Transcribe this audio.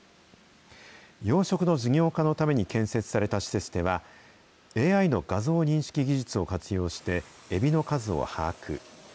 養殖の事業化のために建設された施設では、ＡＩの画像認識技術を活用して、エビの数を把握。